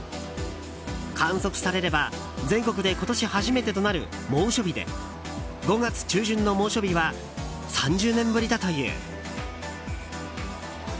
観測されれば全国で今年初めてとなる猛暑日で５月中旬の猛暑日は３０年ぶりだという。